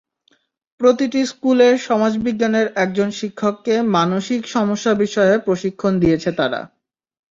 প্রতিটি স্কুলের সমাজবিজ্ঞানের একজন শিক্ষককে মানিসক সমস্যা বিষয়ে প্রশিক্ষণ দিয়েছে তারা।